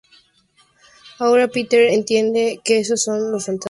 Ahora Peter entiende que esos son los fantasmas que le persiguen.